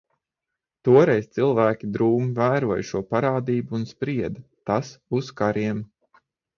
Toreiz cilvēki drūmi vēroja šo parādību un sprieda, tas uz kariem.